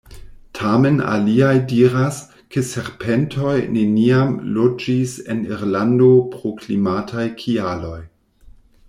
Tamen aliaj diras, ke serpentoj neniam loĝis en Irlando pro klimataj kialoj.